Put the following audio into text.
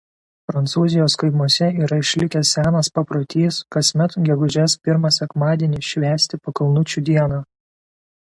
Prancūzijos kaimuose yra išlikęs senas paprotys kasmet gegužės pirmą sekmadienį švęsti "pakalnučių dieną".